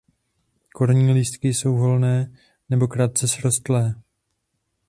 Korunní lístky jsou volné nebo krátce srostlé.